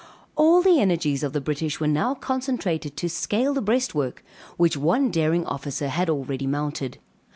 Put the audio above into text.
All the energies of the British were now concentrated to scale the breastwork, which one daring officer had already mounted.